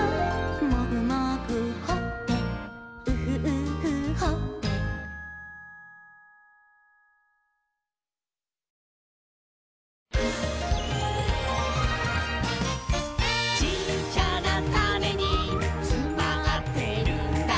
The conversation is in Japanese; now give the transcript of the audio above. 「モグモグほっぺウフウフほっぺ」「ちっちゃなタネにつまってるんだ」